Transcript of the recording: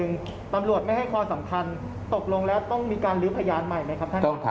ฟังท่านเพิ่มค่ะบอกว่าถ้าผู้ต้องหาหรือว่าคนก่อเหตุฟังอยู่